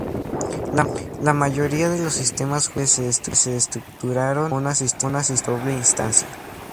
La mayoría de los sistemas judiciales se estructuran a un sistema de doble instancia.